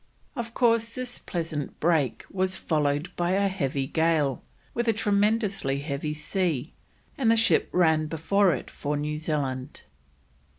Of course this pleasant break was followed by a heavy gale, with a tremendously heavy sea, and the ship ran before it for New Zealand.